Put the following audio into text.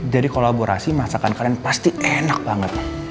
dari kolaborasi masakan kalian pasti enak banget